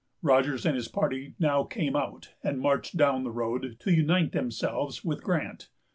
Rogers and his party now came out, and marched down the road, to unite themselves with Grant.